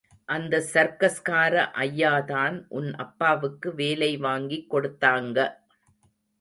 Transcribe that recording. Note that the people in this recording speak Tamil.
அந்த சர்க்கஸ்கார ஐயாதான் உன் அப்பாவுக்கு வேலை வாங்கிக் கொடுத்தாங்க.